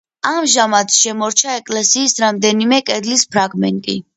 ამჟამად შემორჩა ეკლესიის რამდენიმე კედლის ფრაგმენტი.